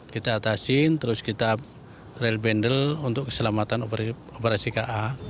kita atasin terus kita rel bendel untuk keselamatan operasi ka